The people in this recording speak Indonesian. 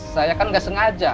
saya kan gak sengaja